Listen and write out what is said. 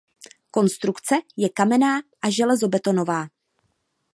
Konstrukce je kamenná a železobetonová.